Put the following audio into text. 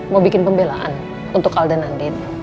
mau bikin pembelaan untuk al dan andin